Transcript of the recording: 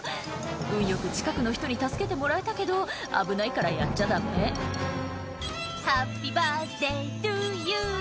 運良く近くの人に助けてもらえたけど危ないからやっちゃダメ「ハッピーバースデートゥーユー」